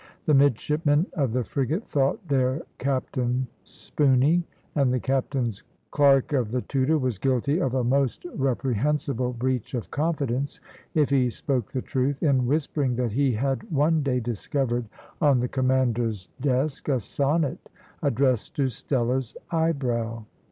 The midshipmen of the frigate thought their captain spoony, and the captain's clerk of the Tudor was guilty of a most reprehensible breach of confidence, if he spoke the truth, in whispering that he had one day discovered on the commander's desk a sonnet addressed to Stella's eyebrow.